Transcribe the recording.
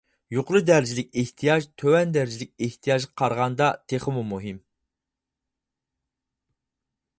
يۇقىرى دەرىجىلىك ئېھتىياج تۆۋەن دەرىجىلىك ئېھتىياجغا قارىغاندا تېخىمۇ مۇھىم.